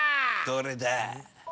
どれだ？